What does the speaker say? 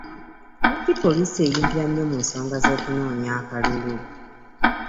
Lwaki poliisi eyingira nnyo mu nsonga z'okunoonya akalulu?